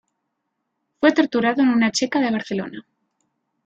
Fue torturado en una checa de Barcelona.